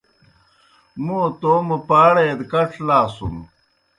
موں توموْ پاڑے دہ کڇ لاسُن۔